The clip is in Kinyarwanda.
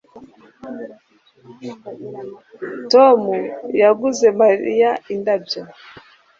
Tom yaguze Mariya indabyo